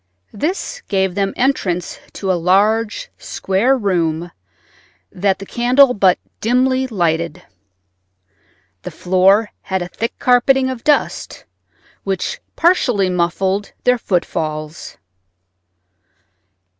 This gave them entrance to a large, square room that the candle but dimly lighted. The floor had a thick carpeting of dust, which partly muffled their footfalls.